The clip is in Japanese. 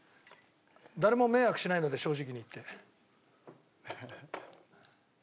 誰も迷惑しないので正直に言って。